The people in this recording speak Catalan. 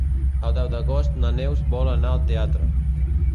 El deu d'agost na Neus vol anar al teatre.